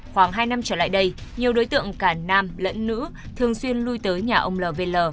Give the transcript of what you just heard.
khoảng hai năm trở lại đây nhiều đối tượng cả nam lẫn nữ thường xuyên lui tới nhà ông lvl